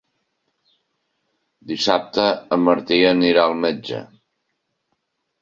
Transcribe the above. Dissabte en Martí anirà al metge.